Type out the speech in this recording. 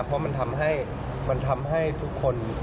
เพราะมันทำให้ทุกคน